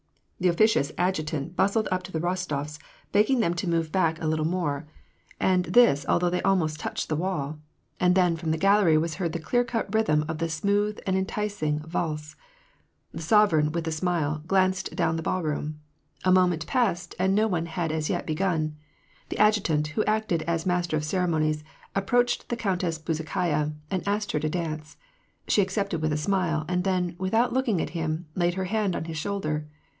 The officious adjutant bustled up to the lipstiofs^ begging them to move back 206 WAR AND PEACE. a little more, and this although they almost touched the wall; and then from the gallery was heard the clear cut rhythm of the smooth and enticing vaUe, The sovereign, with a smile, glanced down the ballroom. A moment passed, and no one had as yet begun. The adjutant, who acted as master of cere monies, approached the Countess Bezukhaya, and asked her to dance. She accepted with a smile, and . then, without looking at him, laid her hand on his shoulder.